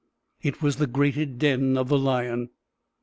It was the grated den of the lion.